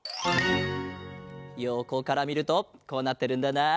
よこからみるとこうなってるんだな。